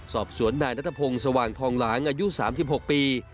สอบสวนนายนัทพงศ์สว่างทองหลางอายุ๓๖ปี